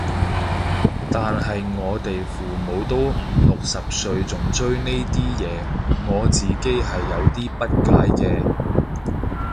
但係我哋父母都五六十歲仲追呢啲嘢，我自己係有啲不解嘅